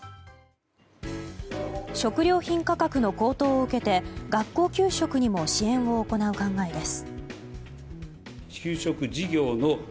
食料品価格の高騰を受けて学校給食にも支援を行う考えです。